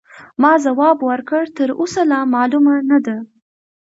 ما ځواب ورکړ: تراوسه لا معلومه نه ده.